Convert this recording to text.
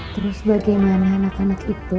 terus bagaimana anak anak itu